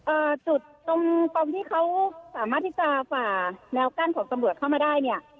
จุดตรงตรงที่เขาสามารถที่จะฝ่าแนวกั้นของตำรวจเข้ามาได้เนี่ย